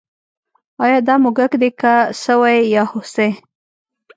ایا دا موږک دی که سوی یا هوسۍ